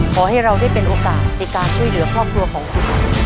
ขอให้เราได้เป็นโอกาสในการช่วยเหลือครอบครัวของคุณ